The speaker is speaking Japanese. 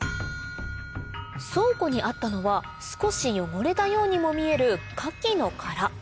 倉庫にあったのは少し汚れたようにも見えるカキの殻